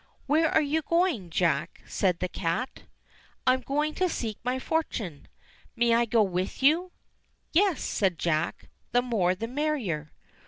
"Where are you going, Jack?" said the cat. "I am going to seek my fortune." "May I go with you?" "Yes," said Jack, "the more the merrier."